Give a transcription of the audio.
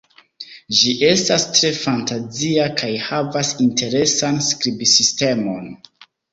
Ĝi estas tre fantazia kaj havas interesan skribsistemon.